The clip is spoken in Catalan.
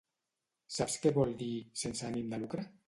Saps què vol dir "sense ànim de lucre"?